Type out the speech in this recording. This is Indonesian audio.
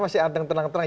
masih anteng tenang tenang